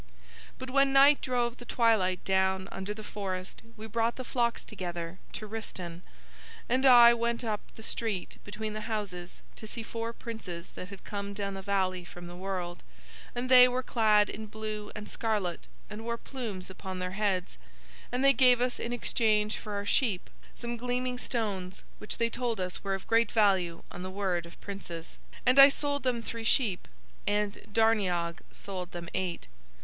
But when night drove the twilight down under the forest we brought the flocks together to Rhistaun, and I went up the street between the houses to see four princes that had come down the valley from the world, and they were clad in blue and scarlet and wore plumes upon their heads, and they gave us in exchange for our sheep some gleaming stones which they told us were of great value on the word of princes. And I sold them three sheep, and Darniag sold them eight.